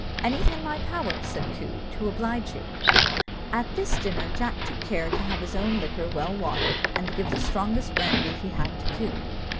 "Anything in my power," said Coo, "to oblige you." At this dinner Jack took care to have his own liquor well watered, and to give the strongest brandy he had to Coo.